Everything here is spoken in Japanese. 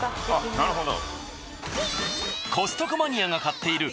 なるほど。